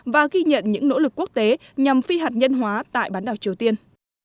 và ghi nhận những nỗ lực quốc tế nhằm phi hạt nhân hóa tại bán đảo triều tiên